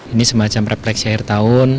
ini semacam refleksi akhir tahun